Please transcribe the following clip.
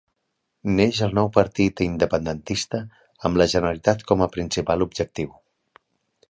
Neix el nou partit independentista amb la Generalitat com a principal objectiu.